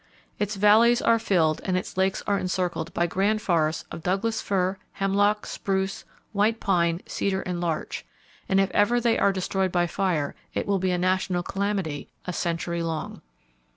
Its valleys are filled and its lakes are encircled by grand forests of Douglas fir, hemlock, spruce, white pine, cedar and larch; and if ever they are destroyed by fire, it will be a national calamity, a century long.